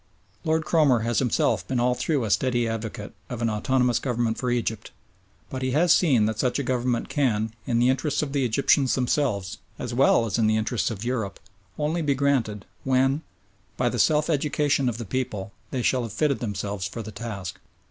Lord Cromer has himself been all through a steady advocate of an autonomous government for Egypt, but he has seen that such a government can, in the interests of the Egyptians themselves, as well as in the interests of Europe, only be granted when, by the self education of the people, they shall have fitted themselves for the task.